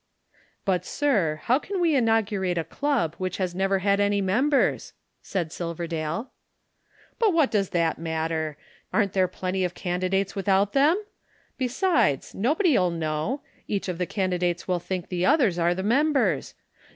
"But, sir, how can we inaugurate a Club which has never had any members?" asked Silverdale. "But what does that matter? Aren't there plenty of candidates without them? Besides, nobody'll know. Each of the candidates will think the others are the members.